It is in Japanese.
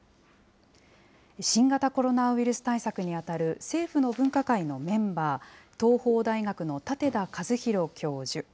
新型コロナウイルス対策に当たる、政府の分科会のメンバー、東邦大学の舘田一博教授。